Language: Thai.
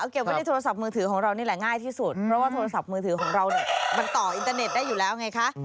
เก็บไว้ในโทรศัพท์มือถือของเรานี่แหละง่ายที่สุดเพราะว่าโทรศัพท์มือถือของเราเนี่ยมันต่ออินเตอร์เน็ตได้อยู่แล้วไงคะ